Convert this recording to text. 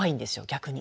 逆に。